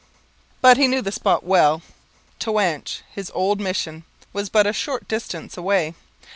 But he knew the spot well; Toanche, his old mission, was but a short distance away.